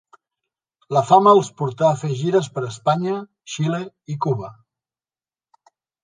La fama els portà a fer gires per Espanya, Xile i Cuba.